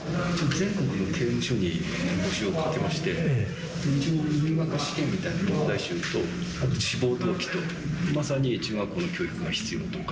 全国の刑務所に募集をかけまして、入学試験みたいな問題集と、あと志望動機と、まさに中学校の教育が必要とか。